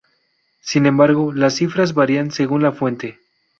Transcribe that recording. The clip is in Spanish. Sin embargo, las cifras varían según la fuente.